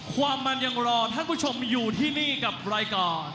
ความมันยังรอท่านผู้ชมอยู่ที่นี่กับรายการ